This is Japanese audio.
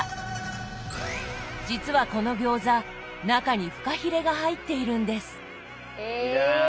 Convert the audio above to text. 実はこの餃子中にフカヒレが入っているんです。え！